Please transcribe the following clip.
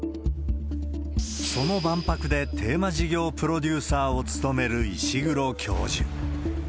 その万博でテーマ事業プロデューサーを務める石黒教授。